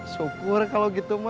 syukur kalau gitu ma